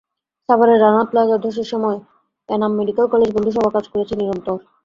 সাভারের রানা প্লাজা ধসের সময় এনাম মেডিকেল কলেজ বন্ধুসভা কাজ করেছে নিরন্তর।